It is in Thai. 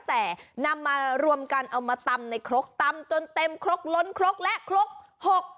แต่นำมารวมกันเอามาตำในครกตำจนเต็มครกล้นครกและครก